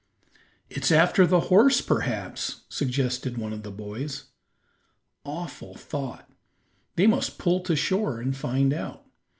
"It's after the horse, perhaps," suggested one of the boys. Awful thought; they must pull to shore and find out.